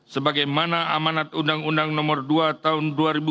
sebagaimana amanat undang undang nomor dua tahun dua ribu dua